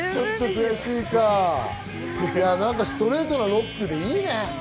ストレートなロックでいいね。